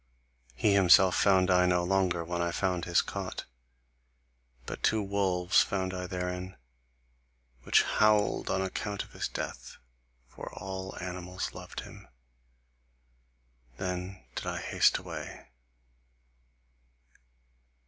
He himself found I no longer when I found his cot but two wolves found I therein, which howled on account of his death, for all animals loved him. Then did I haste away.